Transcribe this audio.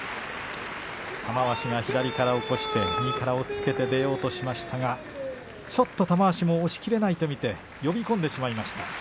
玉鷲が左から起こして右から押っつけて出ようとしましたがちょっと、玉鷲も押しきれないと見て呼び込んでしまいました。